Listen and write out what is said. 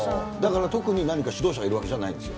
だから特に指導者がいるわけじゃないんですよ。